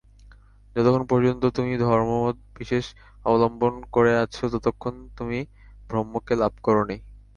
যতক্ষণ পর্যন্ত তুমি ধর্মমতবিশেষ অবলম্বন করে আছ, ততক্ষণ তুমি ব্রহ্মকে লাভ করনি।